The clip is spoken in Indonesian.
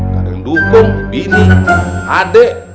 gak ada yang dukung bini adik